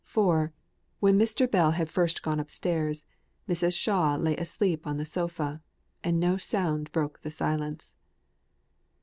For when Mr. Bell had first gone upstairs, Mrs. Shaw lay asleep on the sofa; and no sound broke the silence.